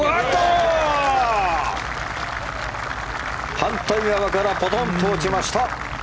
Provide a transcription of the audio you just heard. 反対側からポトンと落ちました。